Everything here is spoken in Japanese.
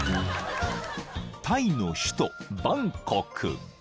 ［タイの首都バンコク］